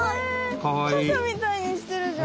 カサみたいにしてるじゃん！